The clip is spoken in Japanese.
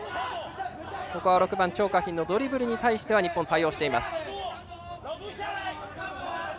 ６番、張家彬のドリブルに対しては日本、対応しています。